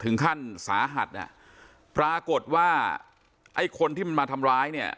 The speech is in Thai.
ถึงขั้นสาหัสอ่ะปรากฏว่าไอ้คนที่มันมาทำร้ายเนี่ย